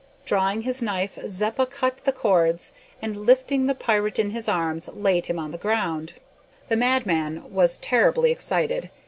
Drawing his knife, Zeppa cut the cords, and, lifting the pirate in his arms, laid him on the ground. The madman was terribly excited.